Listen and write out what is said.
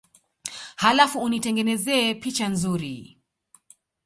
Halafu unitengenezee picha nzuri